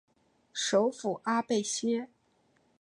首府阿贝歇。